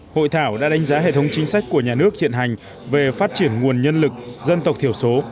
hội thảo đã đánh giá hệ thống chính sách của nhà nước hiện hành về phát triển nguồn nhân lực dân tộc thiểu số